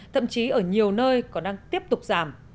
thậm chí ở nhiều nơi còn đang tiếp tục giảm